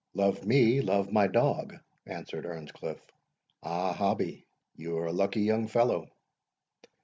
"Love me, love my dog," answered Earnscliff. "Ah, Hobbie, you are a lucky young fellow!"